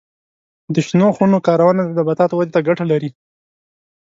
د شنو خونو کارونه د نباتاتو ودې ته ګټه لري.